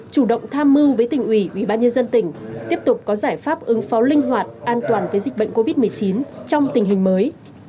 chủ động tham mưu với tỉnh ủy bí nhân dân tỉnh tiếp tục có giải pháp ứng phó linh hoạt an toàn với dịch bệnh covid một mươi chín trong tình hình mới